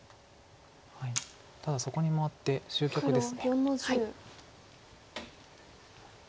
ただそこに回って終局です。